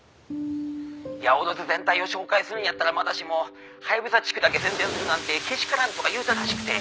「“八百万全体を紹介するんやったらまだしもハヤブサ地区だけ宣伝するなんてけしからん！”とか言うたらしくて」